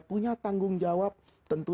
punya tanggung jawab tentu